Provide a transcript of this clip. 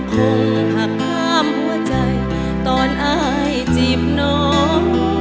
คงหักห้ามหัวใจตอนอายจีบน้อง